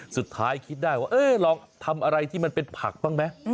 คิดได้ว่าเออลองทำอะไรที่มันเป็นผักบ้างไหม